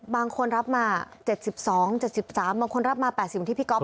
บางคนรับมา๗๒๗๓บางคนรับมา๘๐อย่างที่พี่ก๊อฟบอก